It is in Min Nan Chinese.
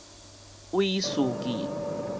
委士記